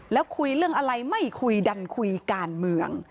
แล้วคุยเรื่องอะไรไม่คุยดันคุยการเมือง